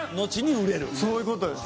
そういう事です。